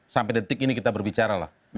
sampai detik ini kita berbicara lah